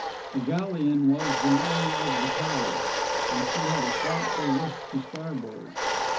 The galleon was the Mary of the Tower, and she had a frightful list to starboard.